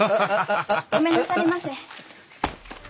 ごめんなされませ。